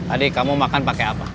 adik kamu makan pakai apa